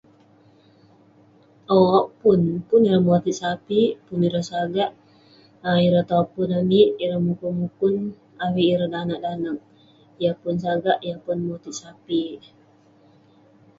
Owk.. pun..pun ireh motit sape', pun ireh sagak, ireh topun amik ireh mukun mukun, avik ireh danag danag.. yah pun sagak, yah pun motit sape'.